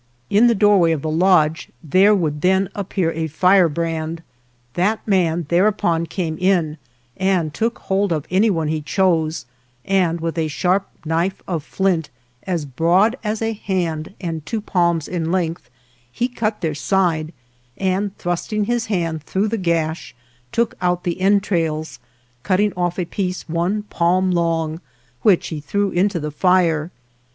In the doorway of the lodge there would then appear a firebrand. That man thereupon came in and took hold of anyone he chose, and with a sharp knife of flint, as broad as a hand and two palms in length, he cut their side, and, thrusting his hand through the gash, took out the entrails, cutting off a piece one palm long, which he threw into the fire.